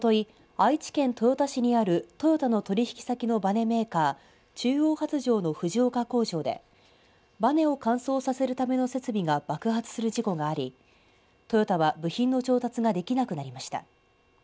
愛知県豊田市にあるトヨタの取引先のばねメーカー中央発條の藤岡工場でばねを乾燥させるための設備が爆発する事故がありトヨタは部品の調達ができなくなりました。